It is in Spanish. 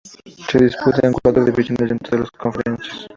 Se disputa en cuatro divisiones dentro de dos conferencias.